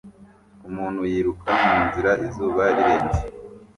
Umuntu yiruka munzira izuba rirenze